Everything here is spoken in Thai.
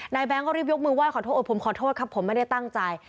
แก๊งก็รีบยกมือไห้ขอโทษผมขอโทษครับผมไม่ได้ตั้งใจ